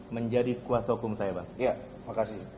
menjadi kuasa hukum saya